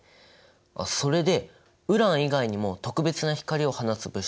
あっそれでウラン以外にも特別な光を放つ物質は見つかったの？